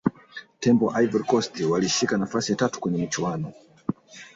tembo wa ivory coast walishika nafasi ya tatu kwenye michuano